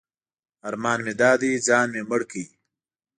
ارمان مې دا دی ځان مې مړ کړ.